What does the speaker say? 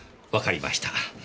わかりました。